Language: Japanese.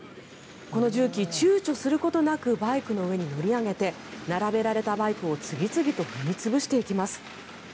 この重機、躊躇することなくバイクの上に乗り上げて並べられたバイクを次々と踏み潰していきます。